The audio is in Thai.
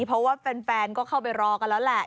เพราะว่าแฟนก็เข้าไปรอกันแล้วแหละ